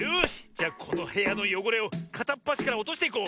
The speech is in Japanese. じゃこのへやのよごれをかたっぱしからおとしていこう。